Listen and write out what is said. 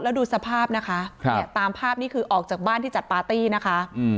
แล้วดูสภาพนะคะตามภาพนี่คือออกจากบ้านที่จัดปาร์ตี้นะคะ